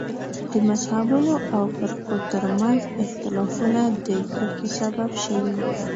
د مذهبونو او فرقو تر منځ اختلافونه د کرکې سبب شوي.